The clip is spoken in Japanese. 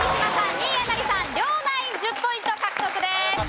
２位えなりさん両ナイン１０ポイント獲得です。